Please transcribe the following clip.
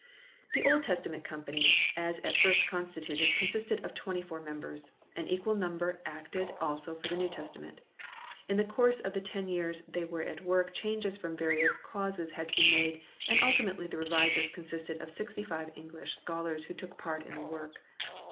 The Old Testament Company as at first constituted consisted of twenty four members ; an equal number acted also for the New Testament. In the course of the ten years they were at work changes from various causes had to be made, and ultimately the revisers consisted of sixty five English scholars who took part in the work.